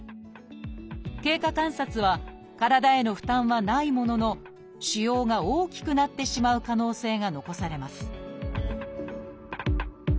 経過観察は体への負担はないものの腫瘍が大きくなってしまう可能性が残されます